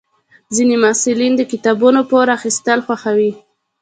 ځینې محصلین د کتابونو پور اخیستل خوښوي.